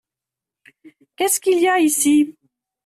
Qu'est-ce qu'il y a ici ?